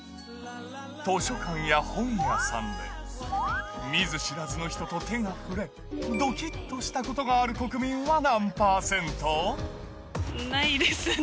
図書館や本屋さんで、見ず知らずの人と手が触れ、ドキッとしたことがある国民は何％？ないですね。